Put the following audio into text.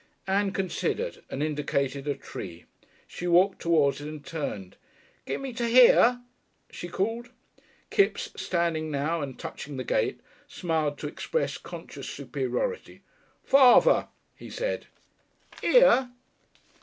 Ann considered, and indicated a tree. She walked towards it, and turned. "Gimme to here?" she called. Kipps, standing now and touching the gate, smiled to express conscious superiority. "Further!" he said. "Here?"